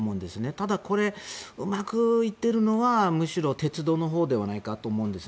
ただ、うまくいっているのは鉄道のほうではないかと思います。